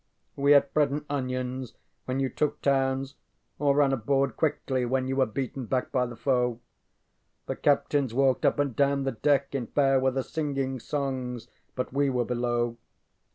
_ We ate bread and onions when you took towns or ran aboard quickly when you were beaten back by the foe. The captains walked up and down the deck in fair weather singing songs, but we were below.